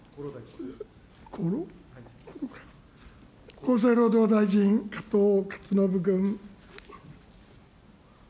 厚生労働大臣、加藤勝信君。